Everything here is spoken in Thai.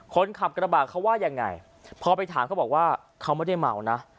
คนขับกระบาดเขาว่ายังไงพอไปถามเขาบอกว่าเขาไม่ได้เมานะ